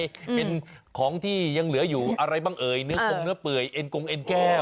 เป็นของที่ยังเหลืออยู่อะไรบ้างเอ่ยเนื้อกงเนื้อเปื่อยเอ็นกงเอ็นแก้ว